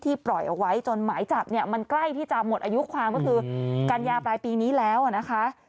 ปล่อยเอาไว้จนหมายจับเนี่ยมันใกล้ที่จะหมดอายุความก็คือกัญญาปลายปีนี้แล้วนะคะ